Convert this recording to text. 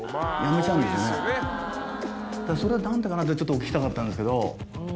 それは何でかなってお聞きしたかったんですけど。